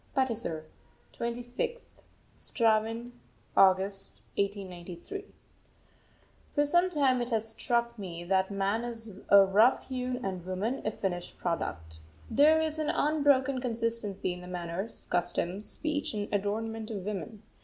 PATISAR, 26th (Straven) August 1893. For some time it has struck me that man is a rough hewn and woman a finished product. There is an unbroken consistency in the manners, customs, speech, and adornment of woman.